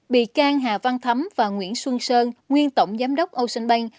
bị can hà văn thấm và nguyễn xuân sơn nguyên tổng giám đốc ocean bank